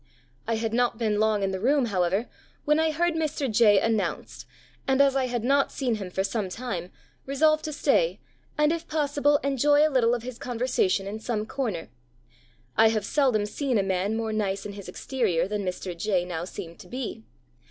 ] "I had not been long in the room, however, when I heard Mr. J announced, and as I had not seen him for some time, resolved to stay, and if possible, enjoy a little of his conversation in some corner.... I have seldom seen a man more nice in his exterior than Mr. J now seemed to be.